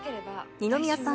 二宮さん